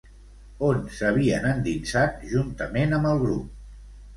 On s'havien endinsat juntament amb el grup?